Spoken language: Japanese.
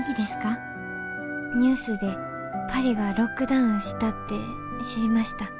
ニュースでパリがロックダウンしたって知りました。